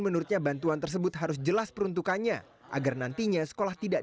menurutnya bantuan tersebut harus jelas peruntukannya agar nantinya sekolah tidak